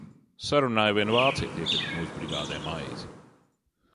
Sarunāja vienu vācieti iepirkt mūsu brigādē maizi.